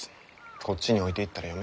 こっちに置いていったら読めない。